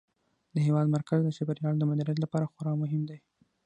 د هېواد مرکز د چاپیریال د مدیریت لپاره خورا مهم دی.